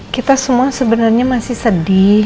kita semua sebenarnya masih sedih